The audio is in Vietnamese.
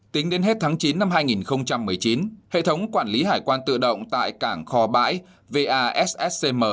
tính đến hết tháng chín năm hai nghìn một mươi chín hệ thống quản lý hải quan tự động tại cảng kho bãi vasscm